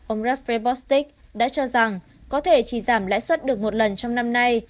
ông rafael bostic đã cho rằng có thể chỉ giảm lãi suất được một lần trong năm nay